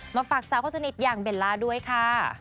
มาฝากสาวคนสนิทอย่างเบลล่าด้วยค่ะ